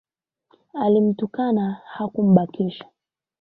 Alimtukana hakumbakisha